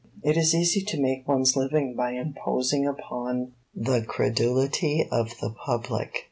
It is easy to make one's living by imposing upon the credulity of the public.